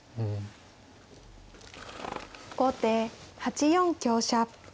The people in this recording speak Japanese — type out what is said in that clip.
後手８四香車。